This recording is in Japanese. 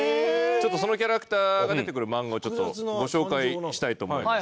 そのキャラクターが出てくる漫画をちょっとご紹介したいと思います。